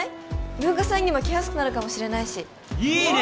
文化祭にも来やすくなるかもしれないしいいね！